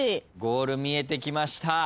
ゴール見えてきました。